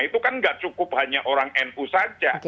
itu kan nggak cukup hanya orang nu saja